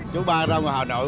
chú ba ra hà nội